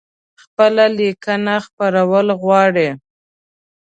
خپلي لیکنۍ خپرول غواړی؟